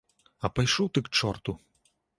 А пайшоў ты к чорту!